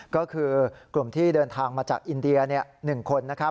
ก็คือกลุ่มที่เดินทางมาจากอินเดีย๑คนนะครับ